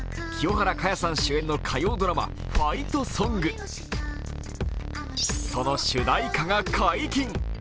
清原果耶さん主演の火曜ドラマ「ファイトソング」その主題歌が解禁。